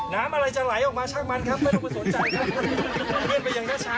น้ำอะไรจะไหลออกมาชั่งมันครับไม่ต้องไปสนใจครับ